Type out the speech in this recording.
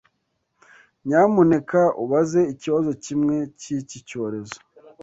Nyamuneka ubaze ikibazo kimwe ki cyorezo